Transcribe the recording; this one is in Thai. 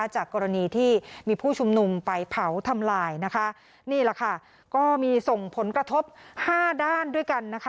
จากกรณีที่มีผู้ชุมนุมไปเผาทำลายนี่ล่ะค่ะก็มีส่งผลกระทบ๕ด้านด้วยกัน